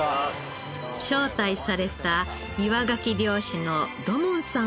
招待された岩ガキ漁師の土門さん